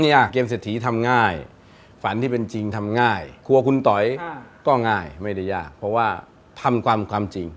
เกมเศรษฐีทำง่ายฝันที่เป็นจริงทำง่ายกลัวคุณต๋อยก็ง่ายไม่ได้ยากเพราะว่าทำความจริง